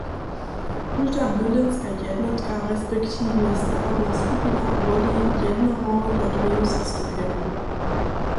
Kóžda bydlenska jednotka respektiwnje starobna skupina woli jednoho do dweju zastupjerjow.